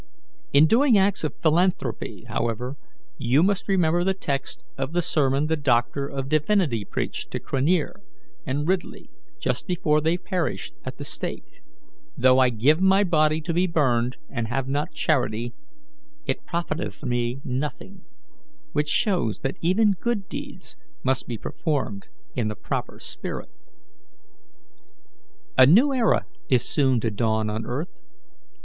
In doing acts of philanthropy, however, you must remember the text of the sermon the doctor of divinity preached to Craniner and Ridley just before they perished at the stake: 'Though I give my body to be burned, and have not charity, it profiteth me nothing' which shows that even good deeds must be performed in the proper spirit. "A new era is soon to dawn on earth.